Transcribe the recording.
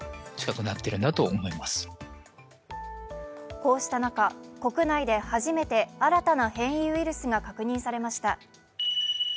こうした中、国内で初めて新たな変異ウイルスが確認されました。